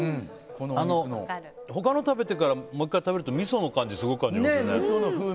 他の食べてからもう１回食べるとみその感じ、すごく感じますね。